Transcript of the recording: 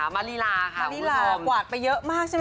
มะนีลาควาดไปเยอะมากใช่ไหม